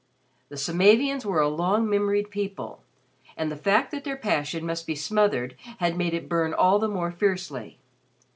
The Samavians were a long memoried people, and the fact that their passion must be smothered had made it burn all the more fiercely.